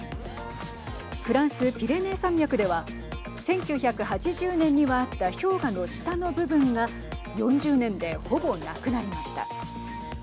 フランス、ピレネー山脈では１９８０年にはあった氷河の下の部分が４０年で、ほぼなくなりました。